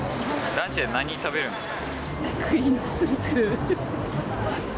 ランチで何食べるんですか？